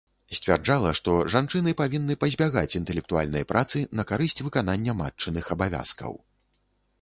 Сцвярджала, што жанчыны павінны пазбягаць інтэлектуальнай працы, на карысць выканання матчыных абавязкаў.